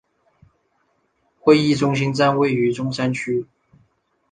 会议中心站位于中山区。